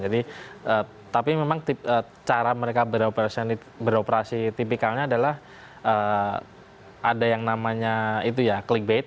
jadi tapi memang cara mereka beroperasi tipikalnya adalah ada yang namanya itu ya clickbait